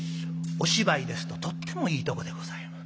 お芝居ですととってもいいとこでございます。